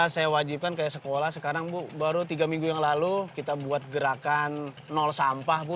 saya wajibkan kayak sekolah sekarang bu baru tiga minggu yang lalu kita buat gerakan nol sampah bu